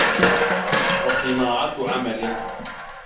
وَصِنَاعَةُ عَمَلٍ